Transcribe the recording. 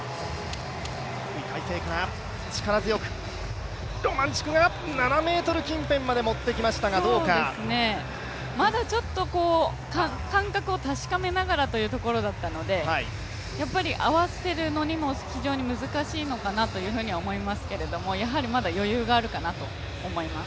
いい体勢から、力強く、ロマンチュクが７ｍには届きませんがまだちょっと感覚を確かめながらというところだったので合わせるのにも非常に難しいのかなと思いますけどやはりまだ余裕があるのかなと思います。